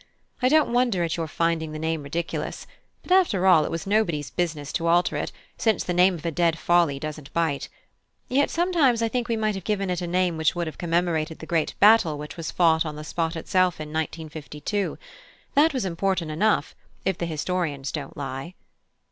I don't wonder at your finding the name ridiculous: but after all, it was nobody's business to alter it, since the name of a dead folly doesn't bite. Yet sometimes I think we might have given it a name which would have commemorated the great battle which was fought on the spot itself in 1952, that was important enough, if the historians don't lie."